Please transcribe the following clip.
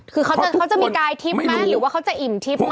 คือเขาจะได้ทรีปมั้งหรือว่าเขาจะอิ่มทรีปมั้ง